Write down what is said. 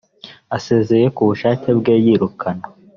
asezeye ku bushake bwe yirukanwe